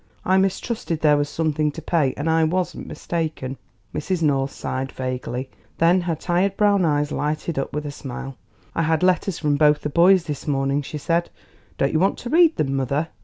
I mistrusted there was something to pay, and I wasn't mistaken." Mrs. North sighed vaguely. Then her tired brown eyes lighted up with a smile. "I had letters from both the boys this morning," she said; "don't you want to read them, mother?